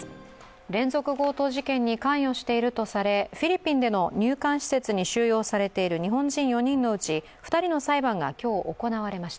連続ごと事件に関与しているとされ、フィリピンでの入管施設に収容されている日本人４人のうち２人の裁判が今日、行われました。